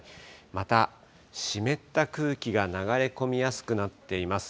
また、湿った空気が流れ込みやすくなっています。